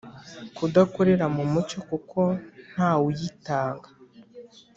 kudakorera mu mucyo kuko ntawuyitanga